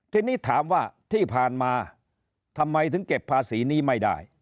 ทีนี้ถามว่าที่ผ่านมาทำไมถึงเก็บภาษีนี้ไม่ได้